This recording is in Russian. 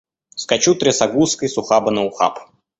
Скачу трясогузкой с ухаба на ухаб.